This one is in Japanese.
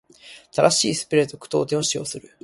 正しいスペルと句読点を使用する。